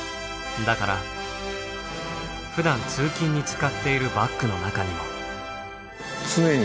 だからふだん通勤に使っているバッグの中にも。